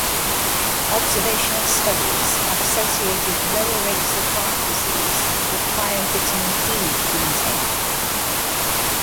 Observational studies have associated lower rates of heart disease with higher vitamin E intake.